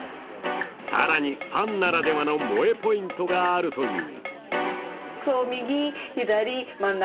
更に、ファンならではの萌えポイントがあるという。